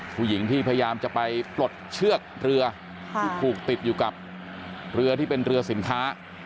ผู้หญิงที่พยายามจะไปปลดเชือกเรือที่ผูกติดอยู่กับเรือที่เป็นเรือสินค้า